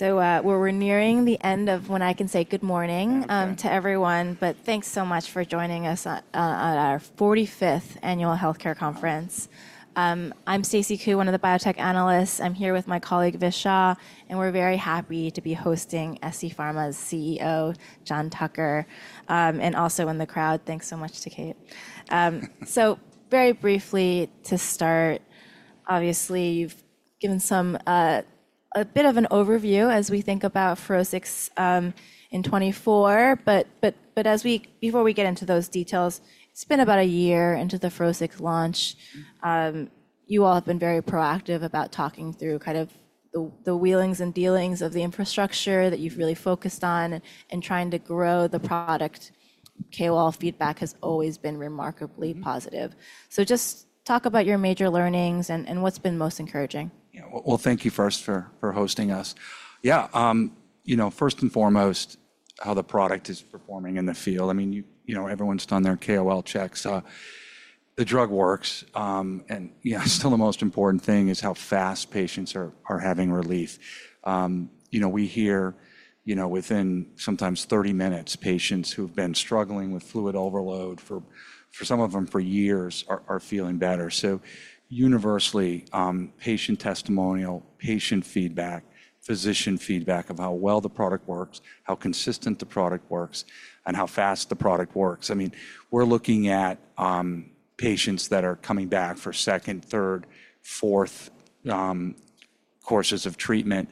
We're nearing the end of when I can say good morning to everyone, but thanks so much for joining us at our 45th Annual Healthcare Conference. I'm Stacy Ku, one of the biotech analysts. I'm here with my colleague, Vishal, and we're very happy to be hosting scPharma's CEO, John Tucker, and also in the crowd, thanks so much to Kate. Very briefly to start, obviously you've given a bit of an overview as we think about FUROSCIX in 2024, but before we get into those details, it's been about a year into the FUROSCIX launch. You all have been very proactive about talking through kind of the wheelings and dealings of the infrastructure that you've really focused on and trying to grow the product. KOL feedback has always been remarkably positive. Just talk about your major learnings and what's been most encouraging. Yeah, thank you first for hosting us. Yeah, you know, first and foremost, how the product is performing in the field. I mean, you know, everyone's done their KOL checks. The drug works, and still the most important thing is how fast patients are having relief. We hear within sometimes 30 minutes, patients who've been struggling with fluid overload for some of them for years are feeling better. Universally, patient testimonial, patient feedback, physician feedback of how well the product works, how consistent the product works, and how fast the product works. I mean, we're looking at patients that are coming back for second, third, fourth courses of treatment,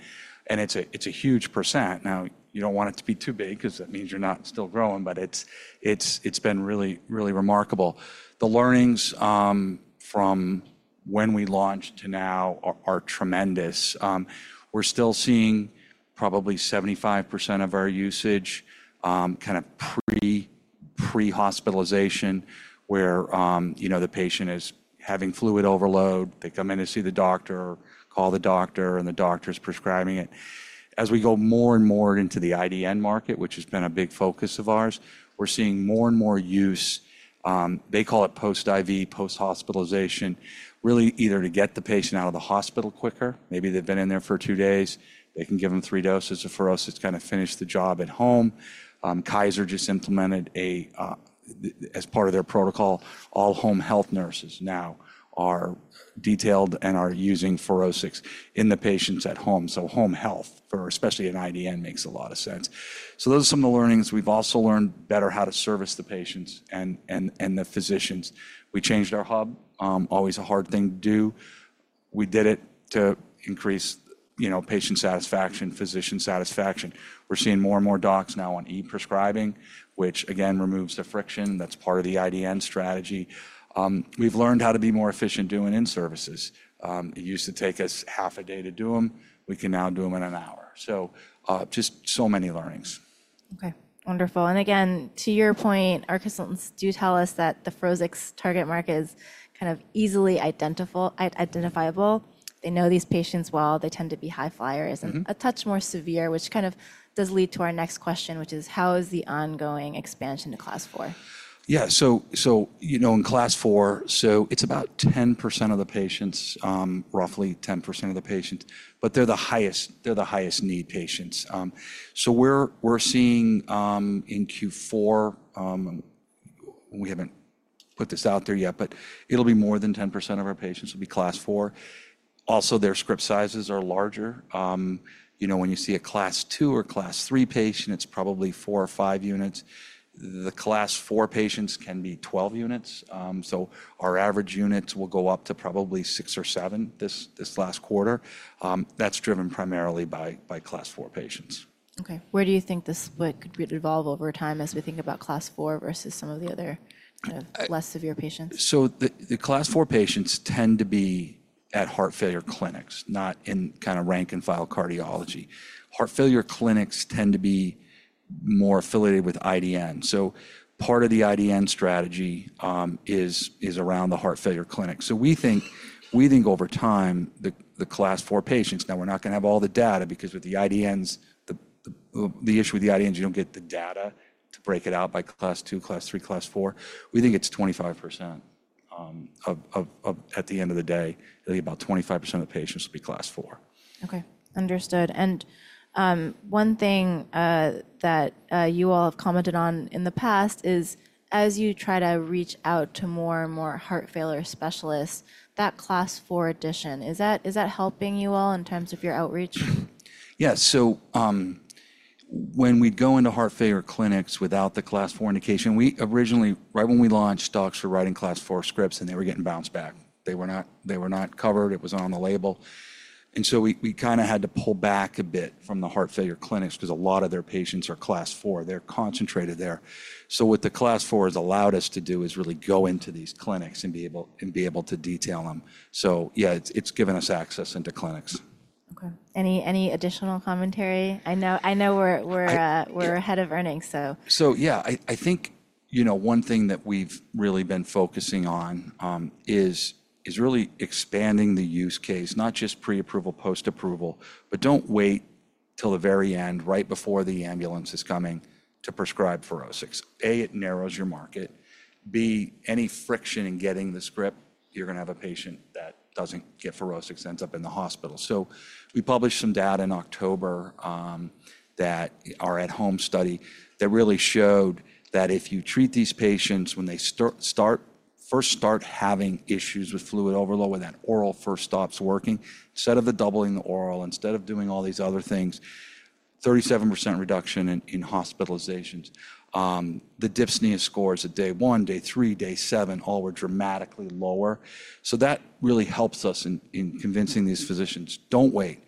and it's a huge percent. Now, you don't want it to be too big because that means you're not still growing, but it's been really, really remarkable. The learnings from when we launched to now are tremendous. We're still seeing probably 75% of our usage kind of pre-hospitalization where the patient is having fluid overload. They come in to see the doctor, call the doctor, and the doctor's prescribing it. As we go more and more into the IDN market, which has been a big focus of ours, we're seeing more and more use. They call it post-IV, post-hospitalization, really either to get the patient out of the hospital quicker. Maybe they've been in there for two days. They can give them three doses of FUROSCIX, kind of finish the job at home. Kaiser Permanente just implemented, as part of their protocol, all home health nurses now are detailed and are using FUROSCIX in the patients at home. Home health, especially in IDN, makes a lot of sense. Those are some of the learnings. We've also learned better how to service the patients and the physicians. We changed our hub. Always a hard thing to do. We did it to increase patient satisfaction, physician satisfaction. We're seeing more and more docs now on e-prescribing, which again removes the friction. That is part of the IDN strategy. We've learned how to be more efficient doing in-services. It used to take us half a day to do them. We can now do them in an hour. Just so many learnings. Okay, wonderful. Again, to your point, our consultants do tell us that the FUROSCIX target market is kind of easily identifiable. They know these patients well. They tend to be high flyers and a touch more severe, which kind of does lead to our next question, which is how is the ongoing expansion to Class IV? Yeah, so in Class IV, so it's about 10% of the patients, roughly 10% of the patients, but they're the highest need patients. We're seeing in Q4, we haven't put this out there yet, but it'll be more than 10% of our patients will be Class IV. Also, their script sizes are larger. When you see a Class II or Class III patient, it's probably four or five units. The Class IV patients can be 12 units. Our average units will go up to probably six or seven this last quarter. That's driven primarily by Class IV patients. Okay, where do you think the split could evolve over time as we think about Class IV versus some of the other kind of less severe patients? The Class IV patients tend to be at heart failure clinics, not in kind of rank and file cardiology. Heart failure clinics tend to be more affiliated with IDN. Part of the IDN strategy is around the heart failure clinics. We think over time the Class IV patients, now we're not going to have all the data because with the IDNs, the issue with the IDNs, you don't get the data to break it out by Class II, Class III, Class IV. We think it's 25% at the end of the day. I think about 25% of the patients will be Class IV. Okay, understood. One thing that you all have commented on in the past is as you try to reach out to more and more heart failure specialists, that Class IV addition, is that helping you all in terms of your outreach? Yeah, so when we go into heart failure clinics without the Class IV indication, we originally, right when we launched, docs were writing Class IV scripts and they were getting bounced back. They were not covered. It was on the label. And so we kind of had to pull back a bit from the heart failure clinics because a lot of their patients are Class IV. They're concentrated there. What the Class IV has allowed us to do is really go into these clinics and be able to detail them. Yeah, it's given us access into clinics. Okay, any additional commentary? I know we're ahead of earnings, so. Yeah, I think one thing that we've really been focusing on is really expanding the use case, not just pre-approval, post-approval, but don't wait till the very end, right before the ambulance is coming to prescribe FUROSCIX. A, it narrows your market. B, any friction in getting the script, you're going to have a patient that doesn't get FUROSCIX, ends up in the hospital. We published some data in October that our at-home study that really showed that if you treat these patients when they first start having issues with fluid overload, when that oral first stops working, instead of doubling the oral, instead of doing all these other things, 37% reduction in hospitalizations. The dyspnea scores at day one, day three, day seven, all were dramatically lower. That really helps us in convincing these physicians. Don't wait.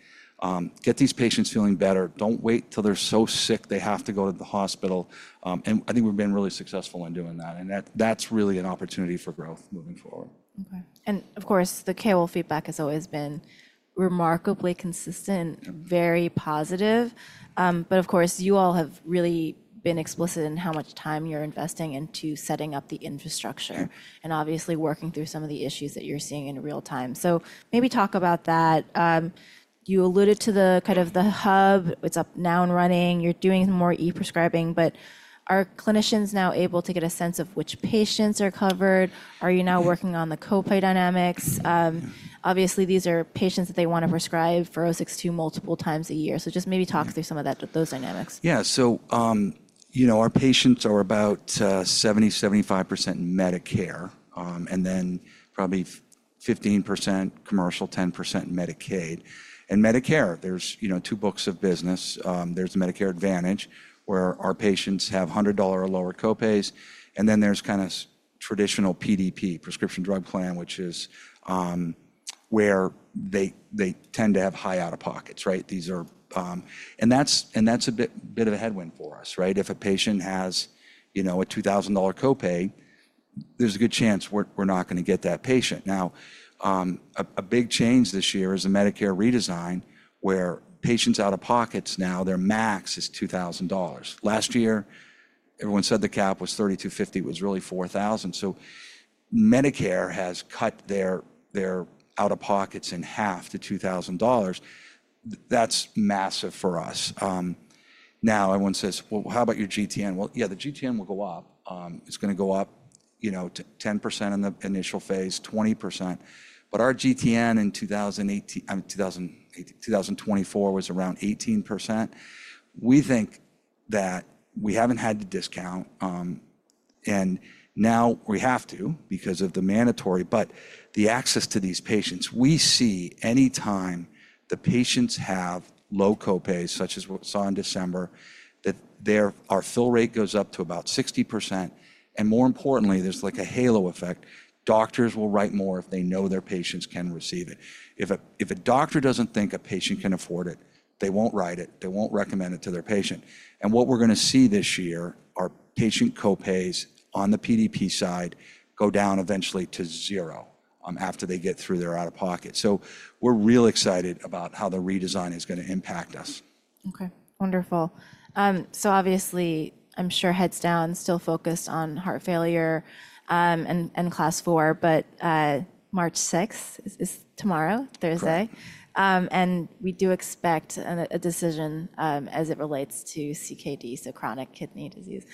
Get these patients feeling better. Don't wait till they are so sick they have to go to the hospital. I think we have been really successful in doing that. That is really an opportunity for growth moving forward. Okay, and of course, the KOL feedback has always been remarkably consistent, very positive. Of course, you all have really been explicit in how much time you're investing into setting up the infrastructure and obviously working through some of the issues that you're seeing in real time. Maybe talk about that. You alluded to the kind of the hub. It's up now and running. You're doing some more e-prescribing, but are clinicians now able to get a sense of which patients are covered? Are you now working on the copay dynamics? Obviously, these are patients that they want to prescribe FUROSCIX to multiple times a year. Just maybe talk through some of those dynamics. Yeah, so our patients are about 70-75% Medicare and then probably 15% commercial, 10% Medicaid. Medicare, there's two books of business. There's Medicare Advantage where our patients have $100 or lower copays. Then there's kind of traditional PDP, prescription drug plan, which is where they tend to have high out-of-pockets, right? That's a bit of a headwind for us, right? If a patient has a $2,000 copay, there's a good chance we're not going to get that patient. Now, a big change this year is the Medicare redesign where patients' out-of-pockets now, their max is $2,000. Last year, everyone said the cap was $3,250, it was really $4,000. Medicare has cut their out-of-pockets in half to $2,000. That's massive for us. Now everyone says, well, how about your GTN? Yeah, the GTN will go up. It's going to go up 10% in the initial phase, 20%. Our GTN in 2024 was around 18%. We think that we haven't had to discount. Now we have to because of the mandatory, but the access to these patients. We see anytime the patients have low copays, such as what we saw in December, that our fill rate goes up to about 60%. More importantly, there's like a halo effect. Doctors will write more if they know their patients can receive it. If a doctor doesn't think a patient can afford it, they won't write it. They won't recommend it to their patient. What we're going to see this year are patient copays on the PDP side go down eventually to zero after they get through their out-of-pocket. We're real excited about how the redesign is going to impact us. Okay, wonderful. Obviously, I'm sure heads down still focused on heart failure and Class IV, but March 6th is tomorrow, Thursday. We do expect a decision as it relates to CKD, so chronic kidney disease.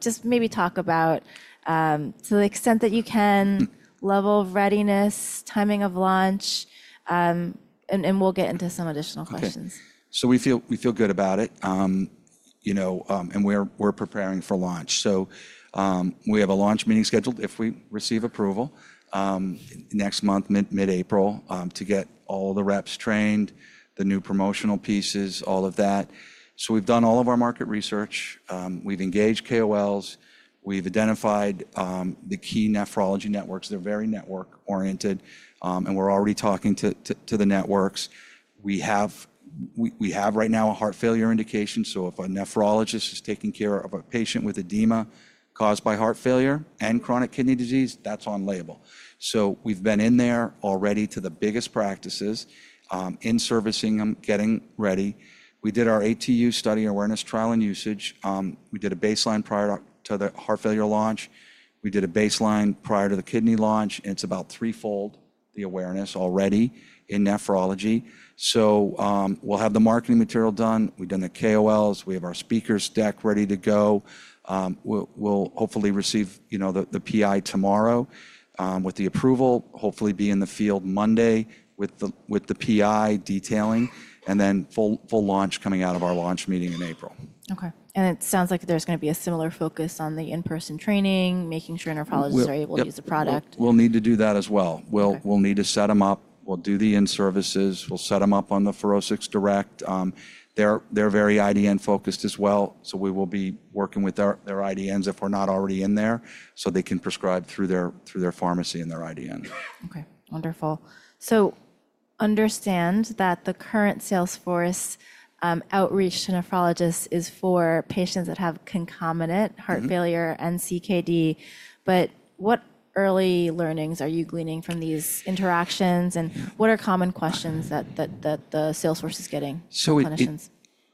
Just maybe talk about to the extent that you can, level of readiness, timing of launch, and we'll get into some additional questions. We feel good about it. We are preparing for launch. We have a launch meeting scheduled if we receive approval next month, mid-April, to get all the reps trained, the new promotional pieces, all of that. We have done all of our market research. We have engaged KOLs. We have identified the key nephrology networks. They are very network-oriented. We are already talking to the networks. We have right now a heart failure indication. If a nephrologist is taking care of a patient with edema caused by heart failure and chronic kidney disease, that is on label. We have been in there already to the biggest practices, in-servicing them, getting ready. We did our ATU study, awareness, trial, and usage. We did a baseline prior to the heart failure launch. We did a baseline prior to the kidney launch. It is about threefold the awareness already in nephrology. We'll have the marketing material done. We've done the KOLs. We have our speakers' deck ready to go. We'll hopefully receive the PI tomorrow with the approval, hopefully be in the field Monday with the PI detailing, and then full launch coming out of our launch meeting in April. Okay, and it sounds like there's going to be a similar focus on the in-person training, making sure nephrologists are able to use the product. We'll need to do that as well. We'll need to set them up. We'll do the in-services. We'll set them up on the FUROSCIX Direct. They're very IDN-focused as well. We will be working with their IDNs if we're not already in there so they can prescribe through their pharmacy and their IDN. Okay, wonderful. I understand that the current sales force outreach to nephrologists is for patients that have concomitant heart failure and CKD. What early learnings are you gleaning from these interactions? What are common questions that the sales force is getting from clinicians?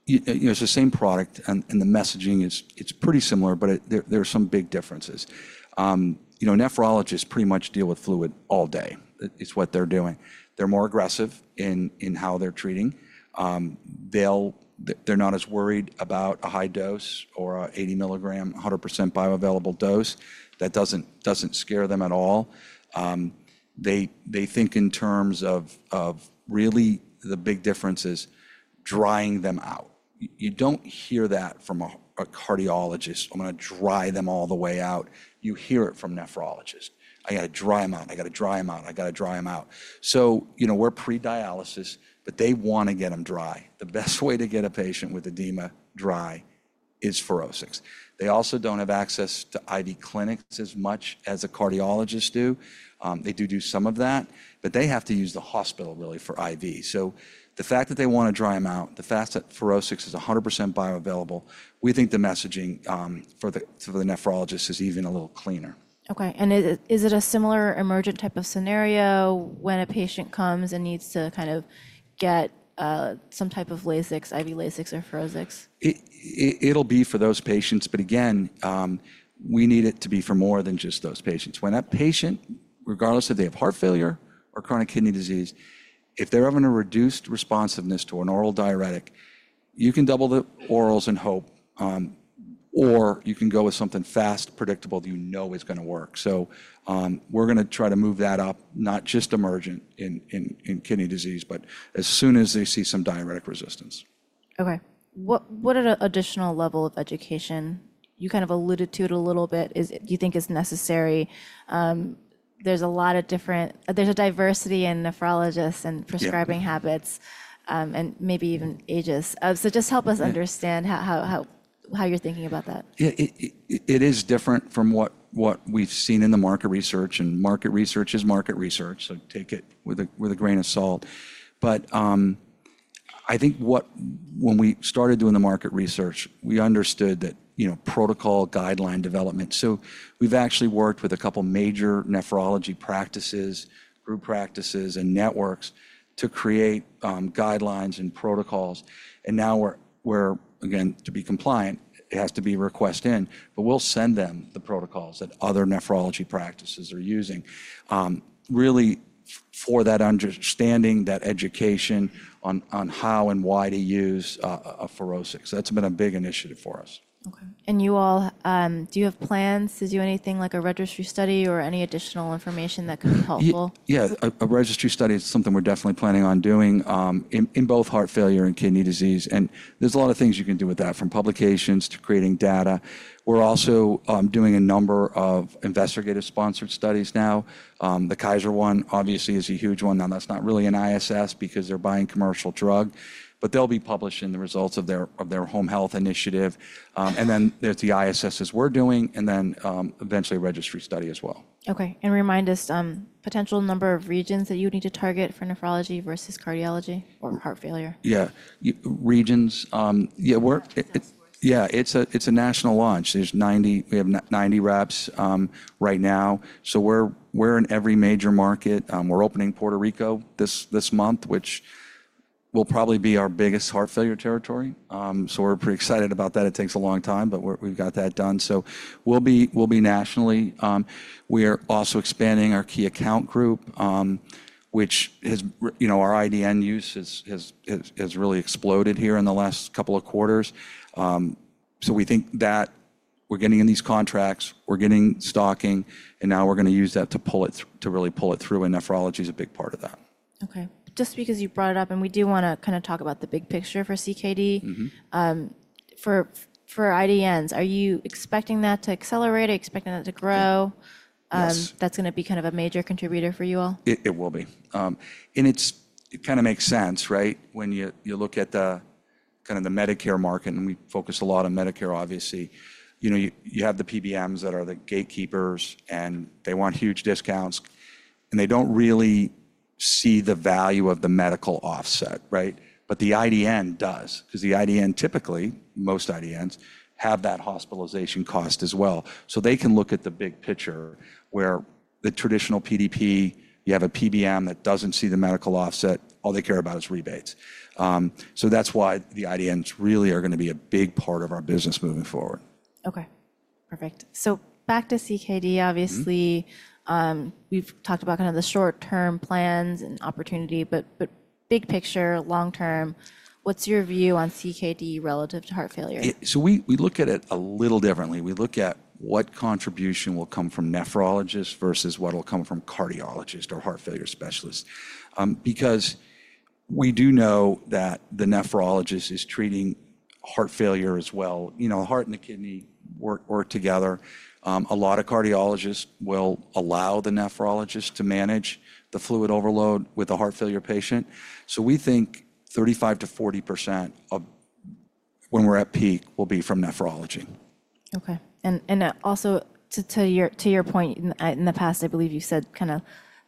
It's the same product and the messaging is pretty similar, but there are some big differences. Nephrologists pretty much deal with fluid all day. It's what they're doing. They're more aggressive in how they're treating. They're not as worried about a high dose or an 80 milligram, 100% bioavailable dose. That doesn't scare them at all. They think in terms of really the big difference is drying them out. You don't hear that from a cardiologist, "I'm going to dry them all the way out." You hear it from nephrologists. "I got to dry them out. I got to dry them out. I got to dry them out." We're pre-dialysis, but they want to get them dry. The best way to get a patient with edema dry is FUROSCIX. They also don't have access to ID clinics as much as cardiologists do. They do do some of that, but they have to use the hospital really for IV. The fact that they want to dry them out, the fact that FUROSCIX is 100% bioavailable, we think the messaging for the nephrologist is even a little cleaner. Okay, and is it a similar emergent type of scenario when a patient comes and needs to kind of get some type of Lasix, IV Lasix or FUROSCIX? It'll be for those patients. Again, we need it to be for more than just those patients. When a patient, regardless if they have heart failure or chronic kidney disease, if they're having a reduced responsiveness to an oral diuretic, you can double the orals and hope, or you can go with something fast, predictable that you know is going to work. We are going to try to move that up, not just emergent in kidney disease, but as soon as they see some diuretic resistance. Okay, what additional level of education, you kind of alluded to it a little bit, do you think is necessary? There's a lot of different, there's a diversity in nephrologists and prescribing habits and maybe even ages. Just help us understand how you're thinking about that. Yeah, it is different from what we've seen in the market research. Market research is market research, so take it with a grain of salt. I think when we started doing the market research, we understood that protocol guideline development. We've actually worked with a couple of major nephrology practices, group practices and networks to create guidelines and protocols. Now, to be compliant, it has to be request in, but we'll send them the protocols that other nephrology practices are using. Really for that understanding, that education on how and why to use a FUROSCIX. That's been a big initiative for us. Okay, and you all, do you have plans to do anything like a registry study or any additional information that could be helpful? Yeah, a registry study is something we're definitely planning on doing in both heart failure and kidney disease. There's a lot of things you can do with that from publications to creating data. We're also doing a number of investigator sponsored studies now. The Kaiser one obviously is a huge one. That's not really an ISS because they're buying commercial drug, but they'll be publishing the results of their home health initiative. There's the ISSs we're doing and eventually a registry study as well. Okay, and remind us potential number of regions that you would need to target for nephrology versus cardiology or heart failure. Yeah, regions. Yeah, it's a national launch. We have 90 reps right now. We're in every major market. We're opening Puerto Rico this month, which will probably be our biggest heart failure territory. We're pretty excited about that. It takes a long time, but we've got that done. We'll be nationally. We are also expanding our key account group, which our IDN use has really exploded here in the last couple of quarters. We think that we're getting in these contracts, we're getting stocking, and now we're going to use that to really pull it through. Nephrology is a big part of that. Okay, just because you brought it up, and we do want to kind of talk about the big picture for CKD. For IDNs, are you expecting that to accelerate? Are you expecting that to grow? That's going to be kind of a major contributor for you all? It will be. It kind of makes sense, right? When you look at kind of the Medicare market, and we focus a lot on Medicare, obviously, you have the PBMs that are the gatekeepers and they want huge discounts and they do not really see the value of the medical offset, right? The IDN does because the IDN typically, most IDNs have that hospitalization cost as well. They can look at the big picture where the traditional PDP, you have a PBM that does not see the medical offset. All they care about is rebates. That is why the IDNs really are going to be a big part of our business moving forward. Okay, perfect. Back to CKD, obviously, we've talked about kind of the short-term plans and opportunity, but big picture, long-term, what's your view on CKD relative to heart failure? We look at it a little differently. We look at what contribution will come from nephrologists versus what will come from cardiologists or heart failure specialists because we do know that the nephrologist is treating heart failure as well. Heart and the kidney work together. A lot of cardiologists will allow the nephrologist to manage the fluid overload with a heart failure patient. We think 35%-40% when we're at peak will be from nephrology. Okay, and also to your point, in the past, I believe you said kind of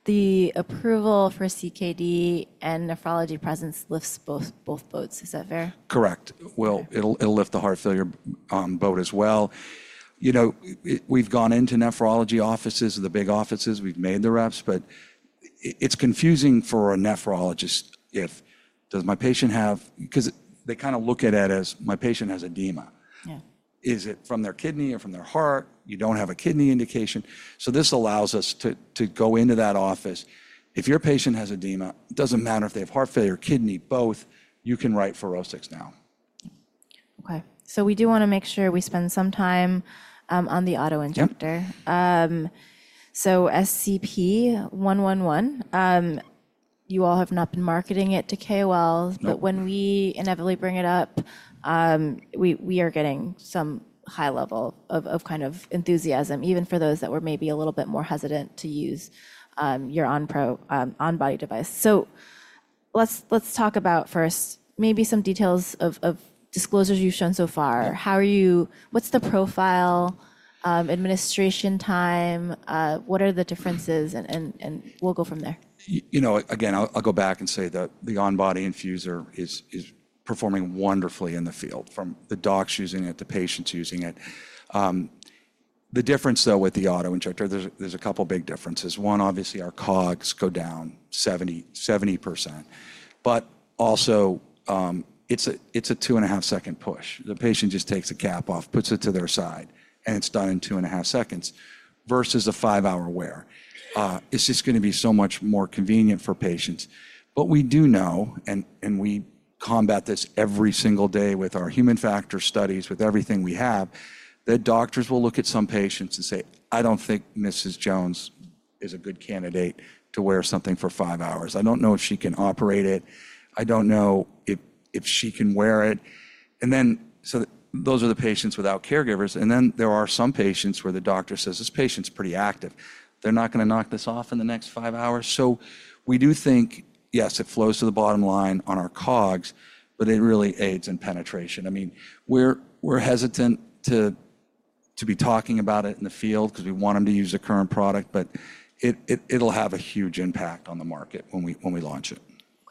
the approval for CKD and nephrology presence lifts both boats. Is that fair? Correct. It will lift the heart failure boat as well. We've gone into nephrology offices, the big offices. We've made the reps, but it's confusing for a nephrologist if, does my patient have, because they kind of look at it as my patient has edema. Is it from their kidney or from their heart? You don't have a kidney indication. This allows us to go into that office. If your patient has edema, it doesn't matter if they have heart failure, kidney, both, you can write FUROSCIX now. Okay, we do want to make sure we spend some time on the auto-injector. SCP-111, you all have not been marketing it to KOLs, but when we inevitably bring it up, we are getting some high level of kind of enthusiasm, even for those that were maybe a little bit more hesitant to use your on-body device. Let's talk about first maybe some details of disclosures you've shown so far. What's the profile, administration time? What are the differences? We'll go from there. You know, again, I'll go back and say that the On-body Infusor is performing wonderfully in the field from the docs using it, the patients using it. The difference though with the auto-injector, there's a couple of big differences. One, obviously our COGS go down 70%, but also it's a two and a half second push. The patient just takes a cap off, puts it to their side, and it's done in two and a half seconds versus a five-hour wear. It's just going to be so much more convenient for patients. We do know, and we combat this every single day with our human factor studies, with everything we have, that doctors will look at some patients and say, "I don't think Mrs. Jones is a good candidate to wear something for five hours. I don't know if she can operate it. I don't know if she can wear it. Those are the patients without caregivers. There are some patients where the doctor says, "This patient's pretty active. They're not going to knock this off in the next five hours." We do think, yes, it flows to the bottom line on our COGS, but it really aids in penetration. I mean, we're hesitant to be talking about it in the field because we want them to use the current product, but it'll have a huge impact on the market when we launch it.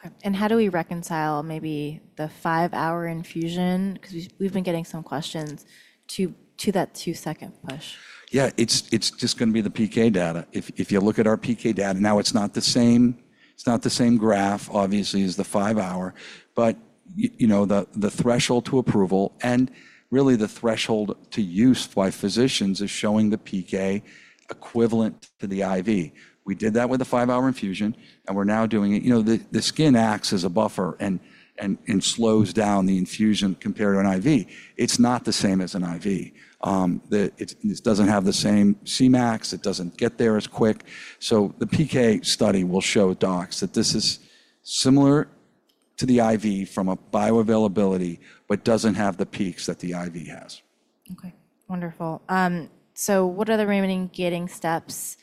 Okay, and how do we reconcile maybe the five-hour infusion? Because we've been getting some questions to that two-second push. Yeah, it's just going to be the PK data. If you look at our PK data, now it's not the same. It's not the same graph, obviously, as the five-hour, but the threshold to approval and really the threshold to use by physicians is showing the PK equivalent to the IV. We did that with the five-hour infusion, and we're now doing it. You know, the skin acts as a buffer and slows down the infusion compared to an IV. It's not the same as an IV. It doesn't have the same Cmax. It doesn't get there as quick. So the PK study will show docs that this is similar to the IV from a bioavailability, but doesn't have the peaks that the IV has. Okay, wonderful. What are the remaining gating steps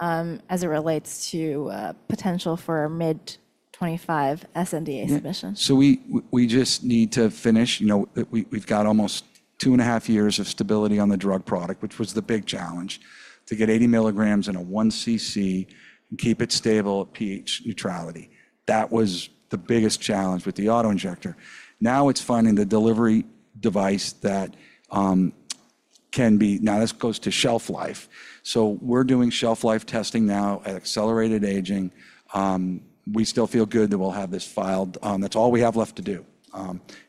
as it relates to potential for mid-2025 sNDA submission? We just need to finish. We've got almost two and a half years of stability on the drug product, which was the big challenge to get 80 milligrams in a 1 cc and keep it stable at pH neutrality. That was the biggest challenge with the auto-injector. Now it's finding the delivery device that can be, now this goes to shelf life. We're doing shelf life testing now at accelerated aging. We still feel good that we'll have this filed. That's all we have left to do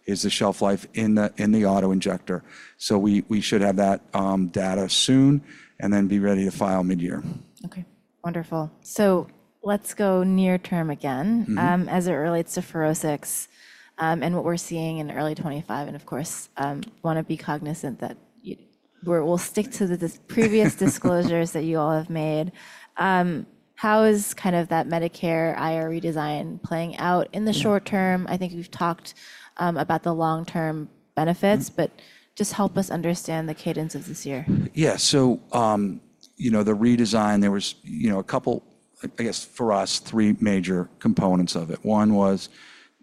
is the shelf life in the auto-injector. We should have that data soon and then be ready to file mid-year. Okay, wonderful. Let's go near term again as it relates to FUROSCIX and what we're seeing in early 2025. Of course, want to be cognizant that we'll stick to the previous disclosures that you all have made. How is kind of that Medicare IRA redesign playing out in the short term? I think we've talked about the long-term benefits, but just help us understand the cadence of this year. Yeah, so you know the redesign, there was a couple, I guess for us, three major components of it. One was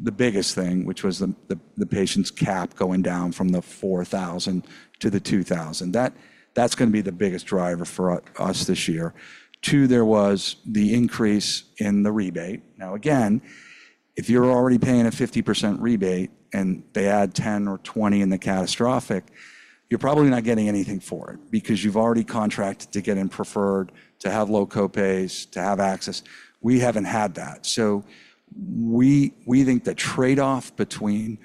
the biggest thing, which was the patient's cap going down from the $4,000 to the $2,000. That's going to be the biggest driver for us this year. Two, there was the increase in the rebate. Now again, if you're already paying a 50% rebate and they add 10% or 20% in the catastrophic, you're probably not getting anything for it because you've already contracted to get in preferred, to have low copays, to have access. We haven't had that. So we think the trade-off between,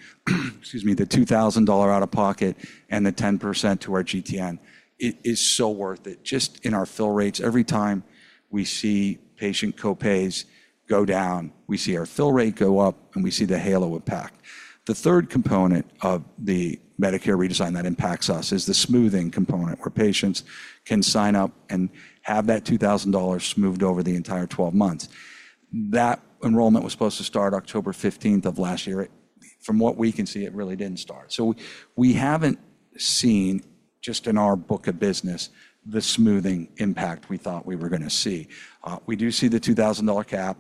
excuse me, the $2,000 out of pocket and the 10% to our GTN is so worth it. Just in our fill rates, every time we see patient copays go down, we see our fill rate go up, and we see the halo impact. The third component of the Medicare redesign that impacts us is the smoothing component where patients can sign up and have that $2,000 smoothed over the entire 12 months. That enrollment was supposed to start October 15th of last year. From what we can see, it really didn't start. We haven't seen, just in our book of business, the smoothing impact we thought we were going to see. We do see the $2,000 cap,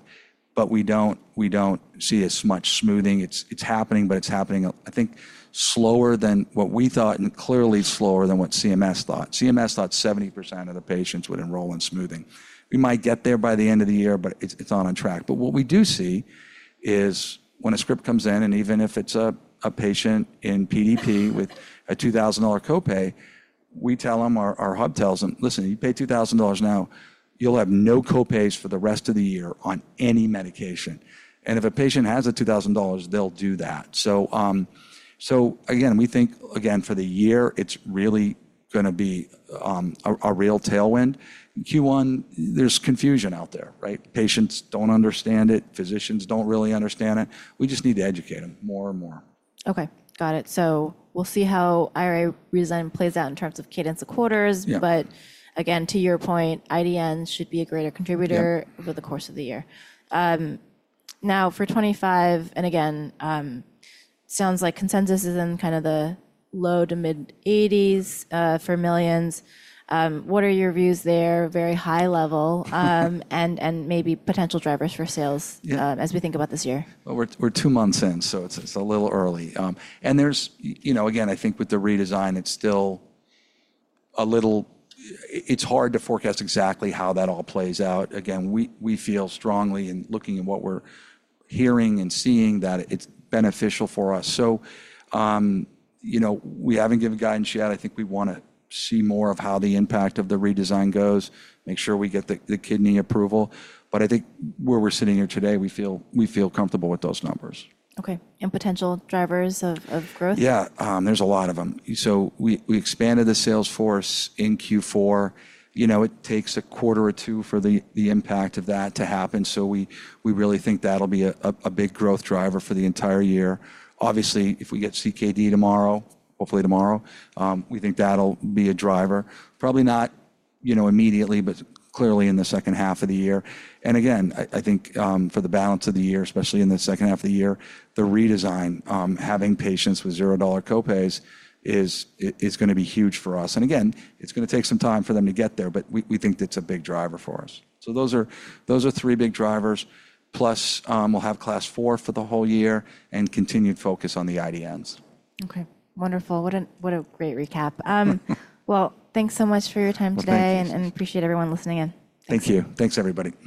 but we don't see as much smoothing. It's happening, but it's happening, I think, slower than what we thought and clearly slower than what CMS thought. CMS thought 70% of the patients would enroll in smoothing. We might get there by the end of the year, but it's not on track. What we do see is when a script comes in, and even if it's a patient in PDP with a $2,000 copay, we tell them, our hub tells them, "Listen, you pay $2,000 now, you'll have no copays for the rest of the year on any medication." If a patient has a $2,000, they'll do that. Again, we think, again, for the year, it's really going to be a real tailwind. Q1, there's confusion out there, right? Patients don't understand it. Physicians don't really understand it. We just need to educate them more and more. Okay, got it. We'll see how IRA redesign plays out in terms of cadence of quarters. Again, to your point, IDNs should be a greater contributor over the course of the year. Now for 2025, and again, sounds like consensus is in kind of the low to mid-80s for millions. What are your views there? Very high level and maybe potential drivers for sales as we think about this year. We're two months in, so it's a little early. There's, you know, again, I think with the redesign, it's still a little, it's hard to forecast exactly how that all plays out. Again, we feel strongly in looking at what we're hearing and seeing that it's beneficial for us. We haven't given guidance yet. I think we want to see more of how the impact of the redesign goes, make sure we get the kidney approval. I think where we're sitting here today, we feel comfortable with those numbers. Okay, and potential drivers of growth? Yeah, there's a lot of them. We expanded the sales force in Q4. You know, it takes a quarter or two for the impact of that to happen. We really think that'll be a big growth driver for the entire year. Obviously, if we get CKD tomorrow, hopefully tomorrow, we think that'll be a driver. Probably not immediately, but clearly in the second half of the year. Again, I think for the balance of the year, especially in the second half of the year, the redesign, having patients with $0 copays is going to be huge for us. Again, it's going to take some time for them to get there, but we think it's a big driver for us. Those are three big drivers. Plus, we'll have Class IV for the whole year and continued focus on the IDNs. Okay, wonderful. What a great recap. Thanks so much for your time today and appreciate everyone listening in. Thank you. Thanks, everybody.